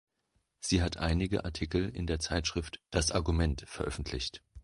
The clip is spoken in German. Sie hat einige Artikel in der Zeitschrift Das Argument veröffentlicht.